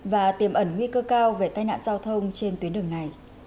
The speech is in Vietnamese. và tiềm ẩn nguy cơ cao về tai nạn giao thông trên tuyến quốc lộ một